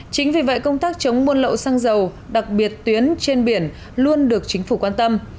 chính vì vậy công tác chống buôn lậu xăng dầu đặc biệt tuyến trên biển luôn được chính phủ quan tâm